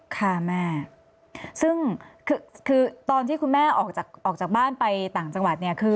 ค่ะแม่ซึ่งคือตอนที่คุณแม่ออกจากบ้านไปต่างจังหวัด